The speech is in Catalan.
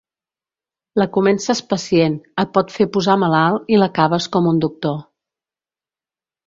La comences pacient, et pot fer posar malalt i l'acabes com un doctor.